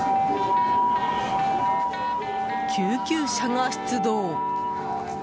救急車が出動。